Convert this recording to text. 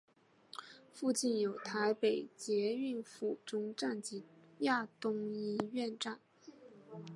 附近有台北捷运府中站及亚东医院站。